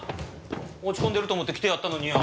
落ち込んでると思って来てやったのによ。